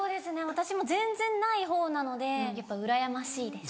私も全然ないほうなのでやっぱうらやましいです。